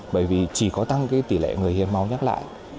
bởi vì chỉ có tăng cái tỷ lệ người hiến máu nhắc lại